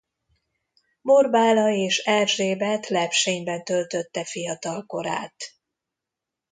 Borbála és Erzsébet Lepsényben töltötte fiatalkorát.